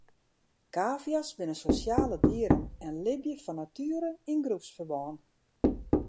Kavia's binne sosjale dieren en libje fan natuere yn groepsferbân.